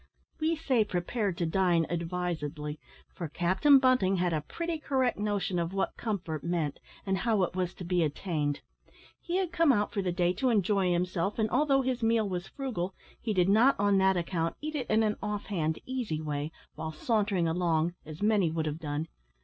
We say prepared to dine, advisedly, for Captain Bunting had a pretty correct notion of what comfort meant, and how it was to be attained. He had come out for the day to enjoy himself and although his meal was frugal, he did not, on that account, eat it in an off hand easy way, while sauntering along, as many would have done.